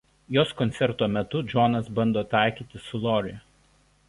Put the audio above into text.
Jos koncerto metu Džonas bando taikytis su Lori.